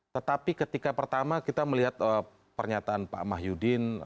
tetapi ketika pertama kita melihat pernyataan pak mah yudin